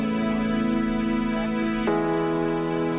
เพื่อสร้างแรงบัญชี